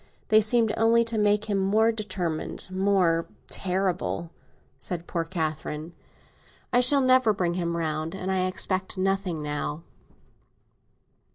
They seemed only to make him more determined—more terrible," said poor Catherine. "I shall never bring him round, and I expect nothing now."